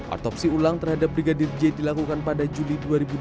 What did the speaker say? otopsi ulang terhadap brigadir j dilakukan pada juli dua ribu dua puluh